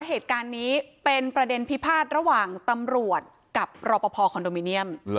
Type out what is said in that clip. เหตุการณ์นี้เป็นประเด็นพิพาทระหว่างตำรวจกับรอปภคอนโดมิเนียม